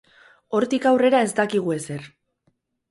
Hortik aurrera ez dakigu ezer.